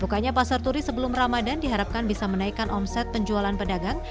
bukannya pasar turi sebelum ramadan diharapkan bisa menaikkan omset penjualan pedagang